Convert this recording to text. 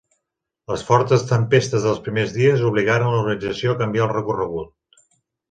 Les fortes tempestes dels primers dies obligaren l'organització a canviar el recorregut.